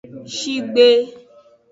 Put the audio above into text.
Shigbe.